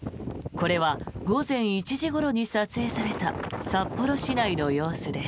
これは午前１時ごろに撮影された札幌市内の様子です。